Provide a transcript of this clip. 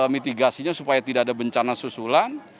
mitigasinya supaya tidak ada bencana susulan